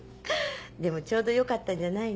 でもちょうどよかったんじゃないの？